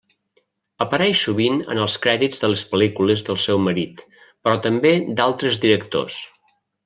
Apareix sovint en els crèdits de les pel·lícules del seu marit, però també d'altres directors.